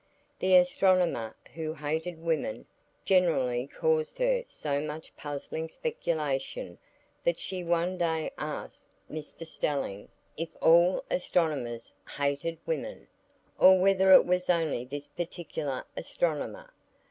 The astronomer who hated women generally caused her so much puzzling speculation that she one day asked Mr Stelling if all astronomers hated women, or whether it was only this particular astronomer.